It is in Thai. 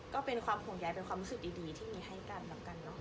ก็เป็นความห่วงใยเป็นความรู้สึกดีที่มีให้กันแล้วกันเนอะ